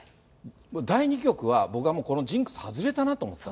第２局は僕はもう、ジンクス、外れたなと思った。